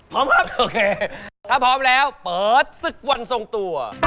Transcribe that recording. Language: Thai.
พร้อมครับโอเคถ้าพร้อมแล้วเปิดศึกวันทรงตัว